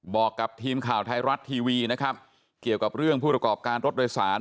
บอกกับทีมข่าวไทยรัฐทีวีนะครับเกี่ยวกับเรื่องผู้ประกอบการรถโดยสาร